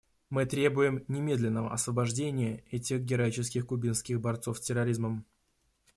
Мы требуем немедленного освобождения этих героических кубинских борцов с терроризмом.